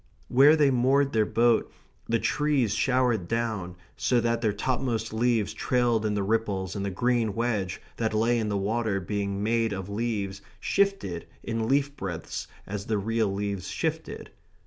Where they moored their boat the trees showered down, so that their topmost leaves trailed in the ripples and the green wedge that lay in the water being made of leaves shifted in leaf breadths as the real leaves shifted.